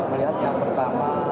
melihat yang pertama